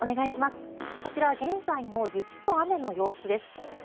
こちら現在の雪と雨の様子です。